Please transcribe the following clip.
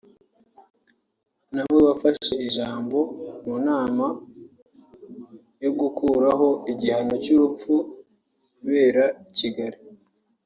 na we wafashe ijambo mu nama yo gukuraho igihano cy'urupfu ibera i Kigali